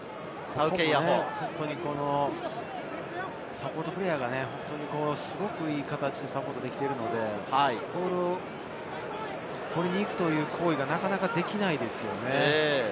サポートプレーヤーがすごくいい形でサポートできているので、ボールを取りに行くという行為がなかなかできないですよね。